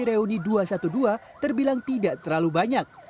reuni dua ratus dua belas terbilang tidak terlalu banyak